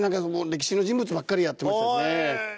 歴史の人物ばっかりやってましたよね。